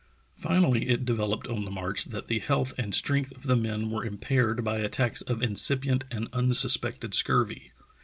Finally it developed on the march that the health and strength of the men were impaired by attacks of incipient and unsuspected scurvy.